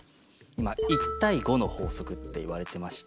１対５の法則っていわれてまして。